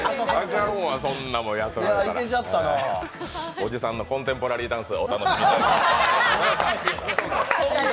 おじさんのコンテンポラリーダンスをお楽しみいただきました。